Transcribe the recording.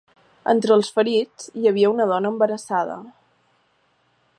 Entre els ferits i havia una dona embarassada.